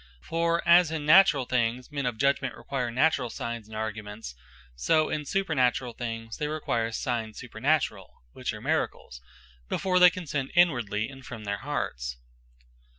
For as in naturall things, men of judgement require naturall signes, and arguments; so in supernaturall things, they require signes supernaturall, (which are Miracles,) before they consent inwardly, and from their hearts.